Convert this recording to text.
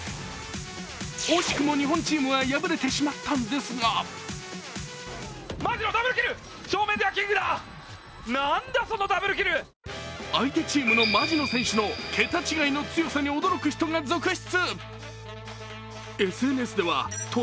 惜しくも日本チームは敗れてしまったんですが相手チームのＭＡＺＩＮＯ選手の桁違いの強さに驚く人が続出。